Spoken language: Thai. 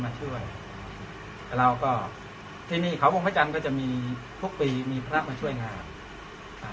มาช่วยเราก็ที่นี่เขาวงพระจันทร์ก็จะมีทุกปีมีพระมาช่วยงานอ่า